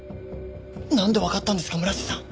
なんでわかったんですか村瀬さん。